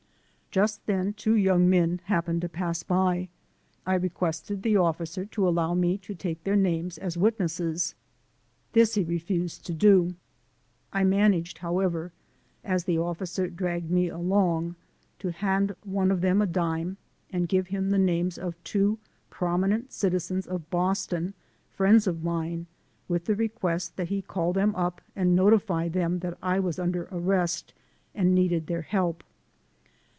Just then two young men happened to pass by. I requested the officer to allow me to take their names as witnesses. This he refused to do. I managed, however, as the officer dragged me along, to hand one of them a dime and give him the names of two prominent citizens of Boston, friends of mine, with the request that he call them up and notify them that I was under arrest and needed their help.